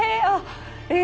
え！